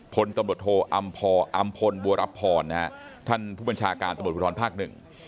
พลตำรวจโทอำพออำพลบัวรับพรนะฮะท่านผู้บัญชาการตำรวจภูทรภาคหนึ่ง